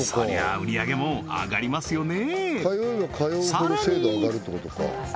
売り上げも上がりますよね